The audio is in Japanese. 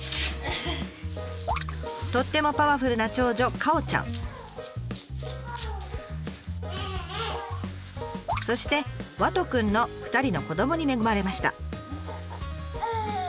とってもパワフルな長女そして環杜くんの２人の子どもに恵まれました。